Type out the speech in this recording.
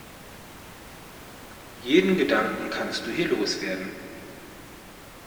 Jeden Gedanken kannst du hier los werden.